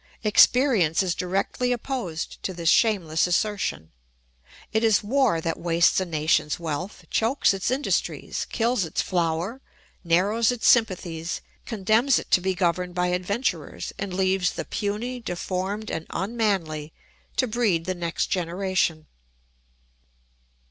Experience is directly opposed to this shameless assertion. It is war that wastes a nation's wealth, chokes its industries, kills its flower, narrows its sympathies, condemns it to be governed by adventurers, and leaves the puny, deformed, and unmanly to breed the next generation.